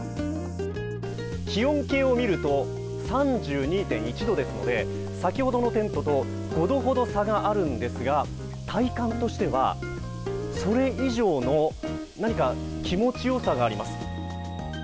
気温計を見ると、３２．１度ですので、先ほどのテントと５度ほど差があるんですが、体感としては、それ以上の何か気持ちよさがあります。